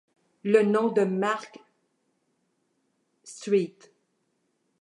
Le nom de marque St.